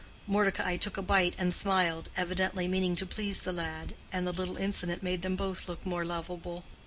Mordecai took a bite and smiled, evidently meaning to please the lad, and the little incident made them both look more lovable.